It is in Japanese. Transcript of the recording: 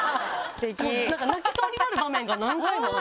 なんか泣きそうになる場面が何回もあって。